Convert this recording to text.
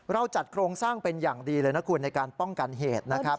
เราจัดโครงสร้างเป็นอย่างดีเลยนะคุณในการป้องกันเหตุนะครับ